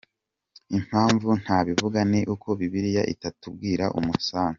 Impamvu ntabivuga ni uko Bibiliya itatubwira umunsi